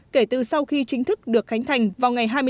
kể từ sau khi chính thức được khánh thành vào ngày hai mươi tám